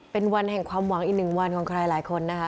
เป็นวันแห่งความหวังอีกหนึ่งวันของใครหลายคนนะคะ